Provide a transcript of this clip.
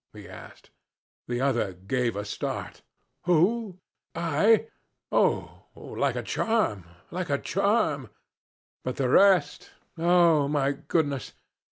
he asked. The other gave a start. 'Who? I? Oh! Like a charm like a charm. But the rest oh, my goodness!